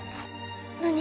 何？